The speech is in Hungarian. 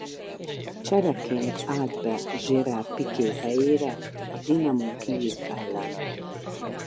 Csereként állt be Gerard Piqué helyére a Dinamo Kijiv ellen.